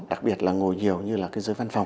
đặc biệt là ngồi nhiều như là cái dưới văn phòng